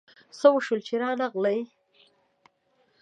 څه وشول چي رانغلې ؟